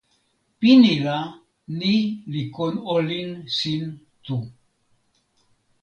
pini la, ni li kon olin sin tu.